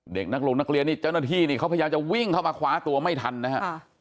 เด็กนักลงนักเรียนนี่เจ้าหน้าที่นี่เขาพยายามจะวิ่งเข้ามาคว้าตัวไม่ทันนะฮะ